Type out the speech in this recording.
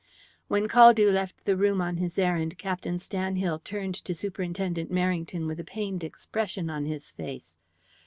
When Caldew left the room on his errand, Captain Stanhill turned to Superintendent Merrington with a pained expression on his face.